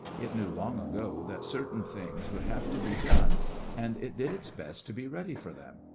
It knew long ago that certain things would have to be done, and it did its best to be ready for them.